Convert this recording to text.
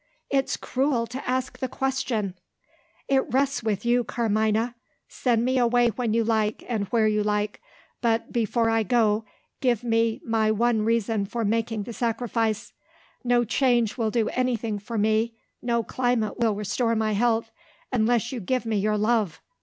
"It's cruel to ask the question!" "It rests with you, Carmina. Send me away when you like, and where you like. But, before I go, give me my one reason for making the sacrifice. No change will do anything for me, no climate will restore my health unless you give me your love.